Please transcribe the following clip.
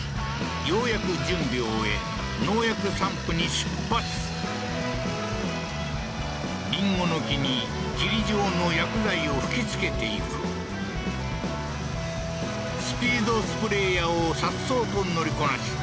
ようやく準備を終え農薬散布に出発りんごの木に霧状の薬剤を吹きつけていくスピードスプレーヤーをさっそうと乗りこなし